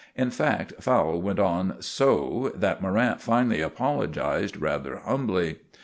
In fact, Fowle went on so that Morrant finally apologized rather humbly.